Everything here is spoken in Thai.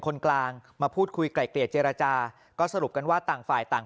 คนกลางมาพูดคุยไกล่เกลี่ยเจรจาก็สรุปกันว่าต่างฝ่ายต่าง